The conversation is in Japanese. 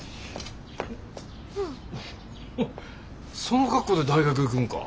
その格好で大学行くんか？